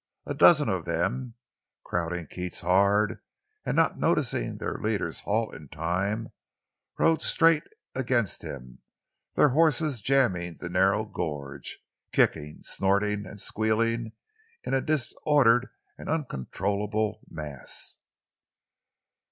A dozen of them, crowding Keats hard, and not noticing their leader's halt in time, rode straight against him, their horses jamming the narrow gorge, kicking, snorting and squealing in a disordered and uncontrollable mass.